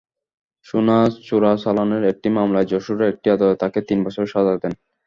সোনা চোরাচালানের একটি মামলায় যশোরের একটি আদালত তাঁকে তিন বছরের সাজা দেন।